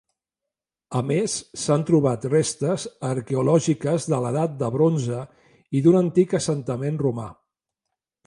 A més s'han trobat restes arqueològiques de l'Edat del Bronze i d'un antic assentament romà.